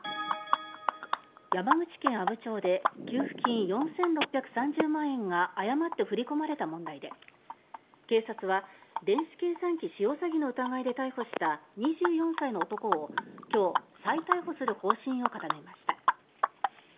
山口県阿武町で給付金４６３０万円が誤って振り込まれた問題で警察は電子計算機使用詐欺の疑いで逮捕した２４歳の男を今日、再逮捕する方針を固めました。